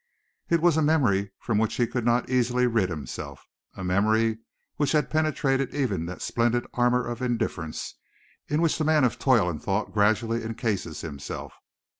It was a memory from which he could not easily rid himself, a memory which had penetrated even that splendid armor of indifference in which the man of toil and thought gradually encases himself.